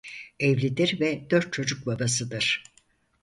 Evlidir ve dört çocuk babasıdır.